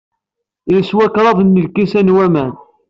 Yeswa kraḍ n lkisan n waman.